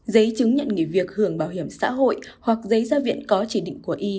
giấy chứng nhận nghỉ việc hưởng bảo hiểm xã hội hoặc giấy gia viện có chỉ định của y